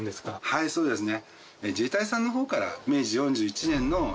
はいそうですね。